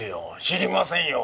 知りませんよ！